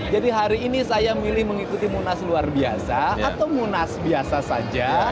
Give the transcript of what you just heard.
jadi hari ini saya milih mengikuti munas luar biasa atau munas biasa saja